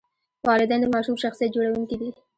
والدین د ماشوم شخصیت جوړونکي دي.